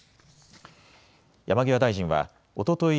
山際大臣はおととい